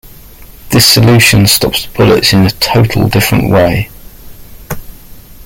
This solution stops the bullets in a total different way.